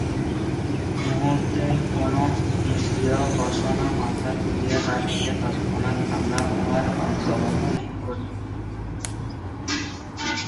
মুহূর্তে কোন ইন্দ্রিয়-বাসনা মাথা তুলিয়া দাঁড়াইলে তৎক্ষণাৎ আমরা উহার আজ্ঞাবহ হইয়া পড়ি।